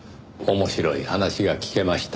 面白い話が聞けました。